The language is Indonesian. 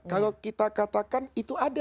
kalau kita katakan itu ada